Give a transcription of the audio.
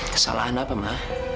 kesalahan apa ma